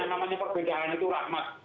yang namanya perbedaan itu rahmat